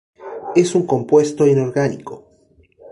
Es un compuesto inorgánico.